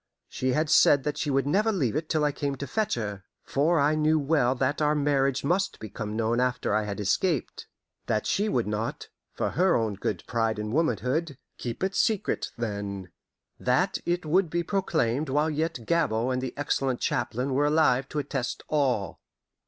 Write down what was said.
She had said that she would never leave it till I came to fetch her. For I knew well that our marriage must become known after I had escaped; that she would not, for her own good pride and womanhood, keep it secret then; that it would be proclaimed while yet Gabord and the excellent chaplain were alive to attest all.